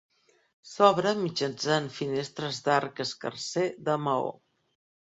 S'obre mitjançant finestres d'arc escarser de maó.